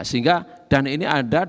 sehingga dan ini ada